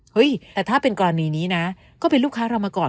เฮ้ยแต่ถ้าเป็นกรณีนี้นะก็เป็นลูกค้าเรามาก่อน